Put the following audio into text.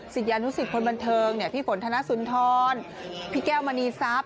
สิทธิ์ยานุสิทธิ์คนบันเทิงพี่ฝนธนสุนทรพี่แก้วมณีซับ